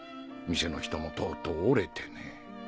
店の人もとうとう折れてね。